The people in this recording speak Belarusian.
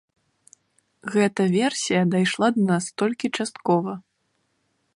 Гэта версія дайшла да нас толькі часткова.